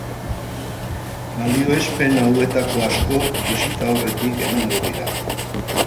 Balioespen hauetako asko bisita aurretik emango dira.